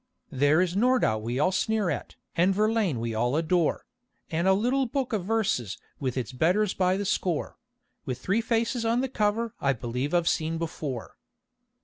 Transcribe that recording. There is Nordau we all sneer at, and Verlaine we all adore, And a little book of verses with its betters by the score, With three faces on the cover I believe I've seen before.